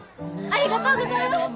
ありがとうございます！